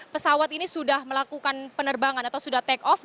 pesawat ini sudah melakukan penerbangan atau di cancel penerbangan